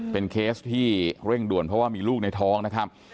เป็นเคสที่เร่งด่วนเพราะว่ามีลูกในท้องนะครับ